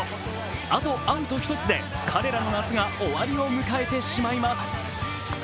あとアウト１つで彼らの夏が終わりを迎えてしまいます。